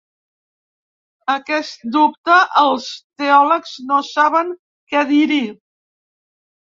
A aquest dubte, els teòlegs no saben què dir-hi.